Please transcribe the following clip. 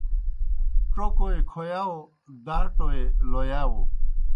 ڇوکوئے کھویاؤ، داٹوئے لویاؤ